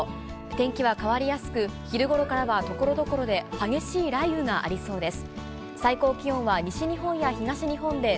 天気は変わりやすく、昼ごろからはところどころで激しい雷雨がありそうです。